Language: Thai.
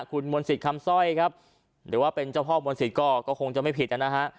คุณมนต์สิทธิ์คำสร้อยครับหรือว่าเป็นเจ้าพ่อมนศิษย์ก็คงจะไม่ผิดนะฮะ